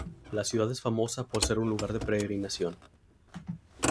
La ciudad es famosa por ser un lugar de peregrinación.